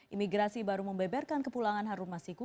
imigrasi baru membeberkan kepulangan harun masiku